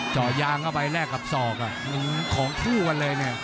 จ่อยางเอาไปแลกกับศอกอ่ะหนึ่งของทู่กันเลยเนี่ย